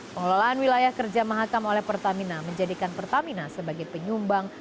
pengelolaan wilayah kerja mahakam oleh pertamina menjadikan pertamina sebagai penyumbang